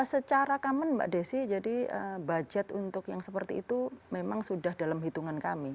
secara common mbak desi jadi budget untuk yang seperti itu memang sudah dalam hitungan kami